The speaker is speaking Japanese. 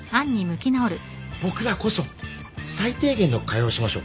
僕らこそ最低限の会話はしましょう。